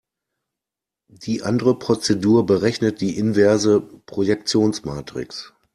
Die andere Prozedur berechnet die inverse Projektionsmatrix.